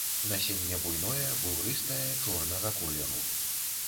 Насенне буйное, бугрыстае, чорнага колеру.